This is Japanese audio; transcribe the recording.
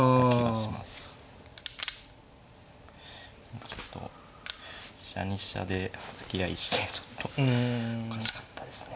もうちょっと飛車に飛車で突き合いしてちょっとおかしかったですね